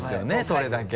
それだけ。